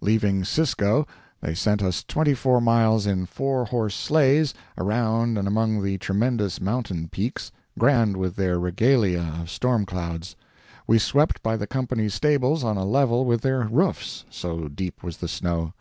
Leaving Cisco, they sent us twenty four miles in four horse sleighs, around and among the tremendous mountain peaks, grand with their regalia of storm clouds. We swept by the company's stables on a level with their roofs, so deep was the snow.